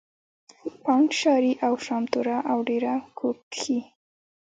بانډ شاري او شامتوره او ډېره کو کښي